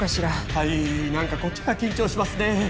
はい何かこっちが緊張しますね